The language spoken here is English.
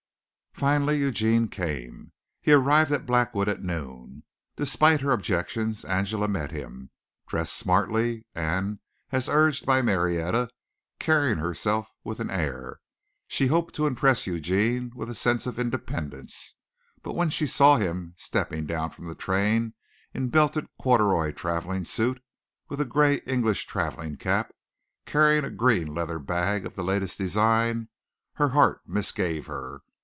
Finally Eugene came. He arrived at Blackwood at noon. Despite her objections Angela met him, dressed smartly and, as urged by Marietta, carrying herself with an air. She hoped to impress Eugene with a sense of independence, but when she saw him stepping down from the train in belted corduroy travelling suit with a grey English travelling cap, carrying a green leather bag of the latest design, her heart misgave her.